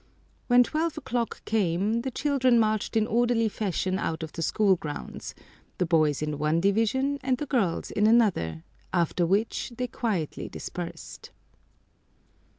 When twelve o'clock came the children marched in orderly fashion out of the school grounds, the boys in one division and the girls in another, after which they quietly dispersed.